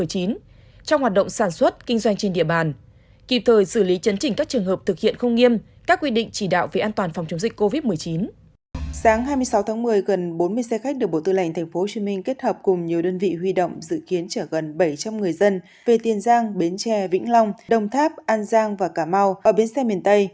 hôm sáu một mươi gần bốn mươi xe khách được bộ tư lệnh tp hcm kết hợp cùng nhiều đơn vị huy động dự kiến chở gần bảy trăm linh người dân về tiền giang bến tre vĩnh long đồng tháp an giang và cà mau ở bến tre miền tây